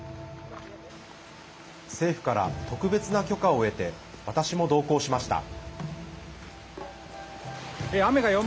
政府から特別な許可を得て私も同行しました。